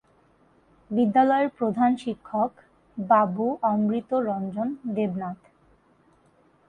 বিদ্যালয়ের প্রধান শিক্ষক বাবু অমৃত রঞ্জন দেবনাথ।